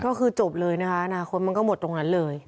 ก็คือจบเลยนะคะอนาคตมันก็หมดตรงนั้นเลย